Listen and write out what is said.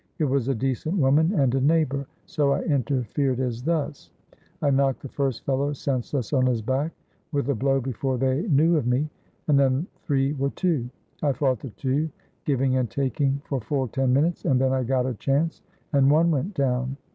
It was a decent woman, and a neighbor, so I interfered as thus: I knocked the first fellow senseless on his back with a blow before they knew of me, and then the three were two. I fought the two, giving and taking for full ten minutes, and then I got a chance and one went down.